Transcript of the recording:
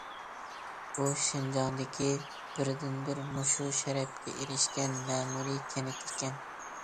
بۇ شىنجاڭدىكى بىردىنبىر مۇشۇ شەرەپكە ئېرىشكەن مەمۇرىي كەنت ئىكەن.